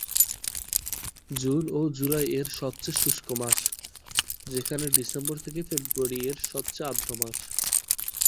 June ও July এর সবচেয়ে শুষ্ক মাস, যেখানে ডিসেম্বর থেকে ফেব্রুয়ারি এর সবচেয়ে আর্দ্র মাস।